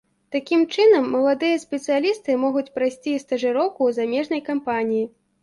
Такім чынам, маладыя спецыялісты могуць прайсці стажыроўку ў замежнай кампаніі.